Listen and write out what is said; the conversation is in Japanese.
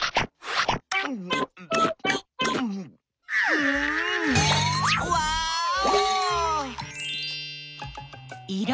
んんワーオ！